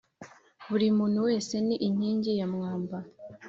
buri muntu wese ni inkingi ya mwamba